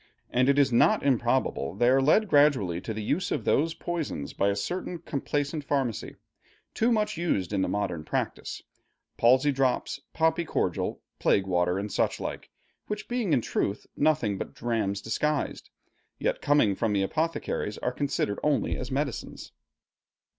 And it is not improbable they are led gradually to the use of those poisons by a certain complaisant pharmacy, too much used in the modern practice, palsy drops, poppy cordial, plague water, and such like, which being in truth nothing but drams disguised, yet coming from the apothecaries, are considered only as medicines.